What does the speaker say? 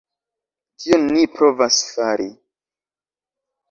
Tion ni provas fari.